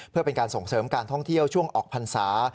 เพื่อเป็นการส่งเสริมการท่องเที่ยวช่วงออกพรรษา